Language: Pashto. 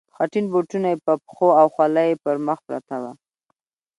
خټین بوټونه یې په پښو او خولۍ یې پر مخ پرته وه.